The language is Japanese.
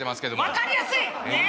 分かりやすい！ねえ。